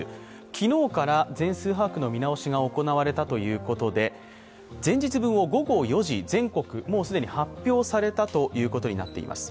昨日から全数把握の見直しが行われたということで前日分を午後４時、全国、もう既に発表されたということになっています。